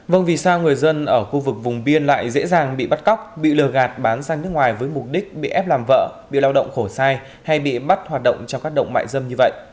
vâng vì sao người dân ở khu vực vùng biên lại dễ dàng bị bắt cóc bị lừa gạt bán sang nước ngoài với mục đích bị ép làm vợ bị lao động khổ sai hay bị bắt hoạt động cho các động mại dâm như vậy